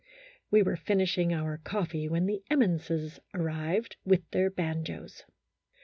We were finishing our coffee when the Emmonses arrived with their banjos.